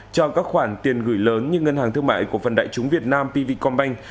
cho các khoản tiền gửi lớn như ngân hàng thương mại cổ phần đại chúng việt nam pvcombank